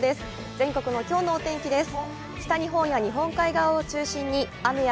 全国のきょうのお天気です。